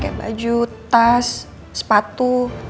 kayak baju tas sepatu